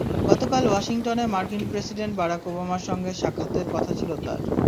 গতকাল ওয়াশিংটনে মার্কিন প্রেসিডেন্ট বারাক ওবামার সঙ্গে সাক্ষাতের কথা ছিল তাঁর।